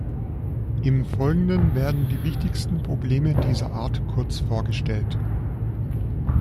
Im Folgenden werden die wichtigsten Probleme dieser Art kurz vorgestellt.